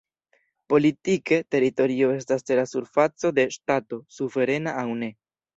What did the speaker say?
Politike, teritorio estas tera surfaco de Ŝtato, suverena aŭ ne.